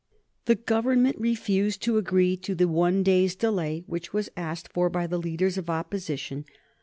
The Government refused to agree to the one day's delay which was asked for by the leaders of Opposition.